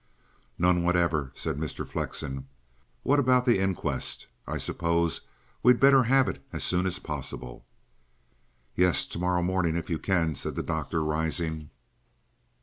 "None whatever," said Mr. Flexen. "What about the inquest? I suppose we'd better have it as soon as possible." "Yes. Tomorrow morning, if you can," said the doctor, rising.